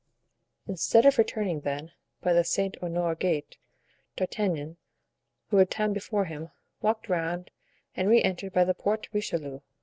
Instead of returning, then, by the Saint Honore gate, D'Artagnan, who had time before him, walked around and re entered by the Porte Richelieu.